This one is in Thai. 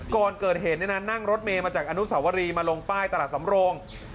ก่อนเกิดเหตุนั่งรถเมย์มาจากอนุสาวรีมาลงป้ายตลาดสำโรง